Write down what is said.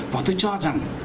và tôi cho rằng